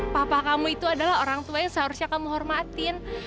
papa kamu itu adalah orang tua yang seharusnya kamu hormatin